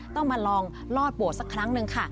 ต้องมาลองลอดโบสสักครั้งหนึ่งค่ะ